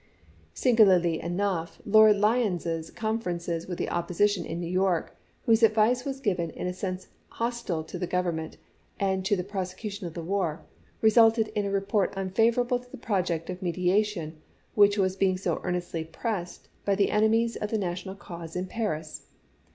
Singularly enough. Lord Lyons's conferences with the opposition in New York, whose advice was given in a sense hostile to the Grovernment and to the prosecution of the war, resulted in a report unfavorable to the project of mediation which was being so earnestly pressed by the ene mies of the national cause in Paris.